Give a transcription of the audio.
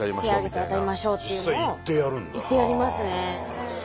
行ってやりますね。